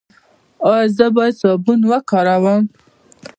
ایا زه باید صابون وکاروم؟